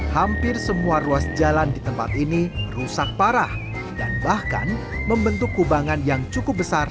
hampir semua ruas jalan di tempat ini rusak parah dan bahkan membentuk kubangan yang cukup besar